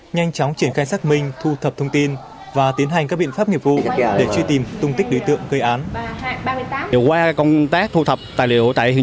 nhanh chóng triển khai xác minh thu thập thông tin và tiến hành các biện pháp nghiệp vụ để truy tìm tung tích đối tượng gây án